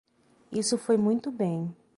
Isso foi muito bem.